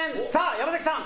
山崎さん